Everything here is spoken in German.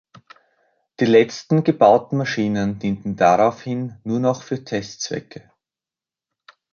Die letzten gebauten Maschinen dienten daraufhin nur noch für Testzwecke.